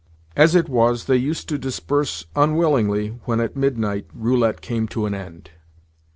As it was, they used to disperse unwillingly when, at midnight, roulette came to an end.